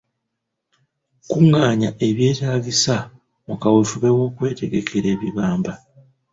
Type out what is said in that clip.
Kungaanya ebyetaagisa mu kaweefube w'okwetegekera ebibamba.